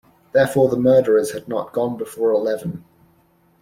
Therefore the murderers had not gone before eleven.